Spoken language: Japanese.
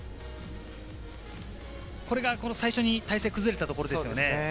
これが最初に体勢が崩れたところですね。